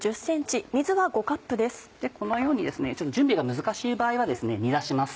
このように準備が難しい場合は煮出します。